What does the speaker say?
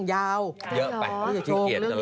เยาวเยอะไป